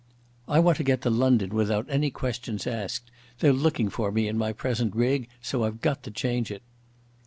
"I want to get to London without any questions asked. They're looking for me in my present rig, so I've got to change it."